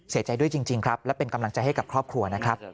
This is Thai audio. เสียใจด้วยจริงครับและเป็นกำลังใจให้กับครอบครัวนะครับ